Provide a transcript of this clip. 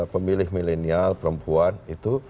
pemilih milenial perempuan itu